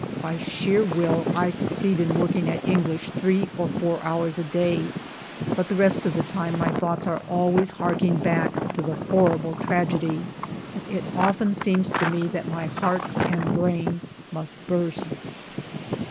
By sheer will, I succeed in working at English three or four hours a day ; but the rest of the time my thoughts are always harking back to the horrible tragedy. It often seems to me that my heart and brain must burst.